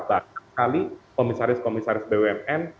bahkan sekali komisaris komisaris bumn